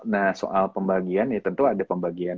nah soal pembagian ya tentu ada pembagian